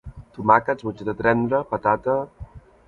Tomàquets, mongeta tendra, patata...